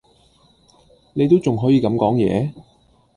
你都仲可以咁講野?